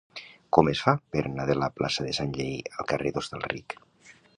Com es fa per anar de la plaça de Sanllehy al carrer d'Hostalric?